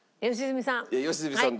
良純さん。